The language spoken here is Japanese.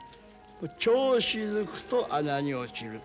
調子づくと穴に落ちる。